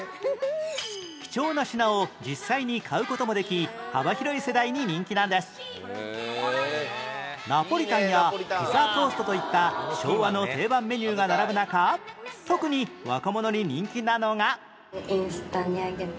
貴重な品を実際に買う事もできナポリタンやピザトーストといった昭和の定番メニューが並ぶ中特に若者に人気なのが